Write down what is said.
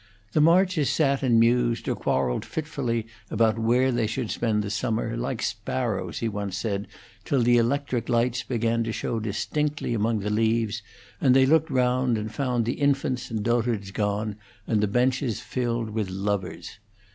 The Marches sat and mused, or quarrelled fitfully about where they should spend the summer, like sparrows, he once said, till the electric lights began to show distinctly among the leaves, and they looked round and found the infants and dotards gone and the benches filled with lovers.